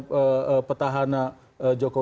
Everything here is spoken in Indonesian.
menurut saya pesky w